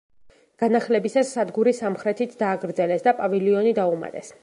განახლებისას სადგური სამხრეთით დააგრძელეს და პავილიონი დაუმატეს.